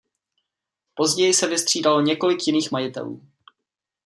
Později se vystřídalo několik jiných majitelů.